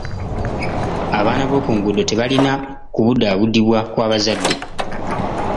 Abaana b'oku nguudo tebalina kubudaabudibwa kw'abazadde.